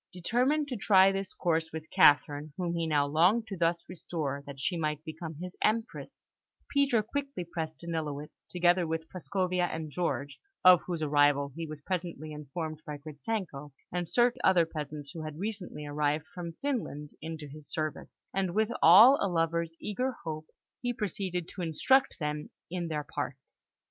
Determined to try this course with Catherine, whom he now longed to thus restore that she might become his Empress, Peter quickly pressed Danilowitz, together with Prascovia and George (of whose arrival he was presently informed by Gritzenko), and certain other peasants who had recently arrived from Finland, into his service; and with all a lover's eager hope, he proceeded to instruct them in their parts.